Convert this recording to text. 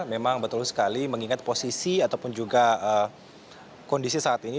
memang betul sekali mengingat posisi ataupun juga kondisi saat ini